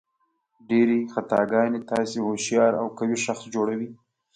ډېرې خطاګانې تاسو هوښیار او قوي شخص جوړوي.